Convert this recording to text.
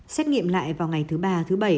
xét nghiệm lại vào ngày thứ ba thứ bảy